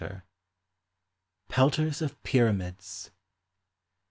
PELTERS OF PYRAMIDS.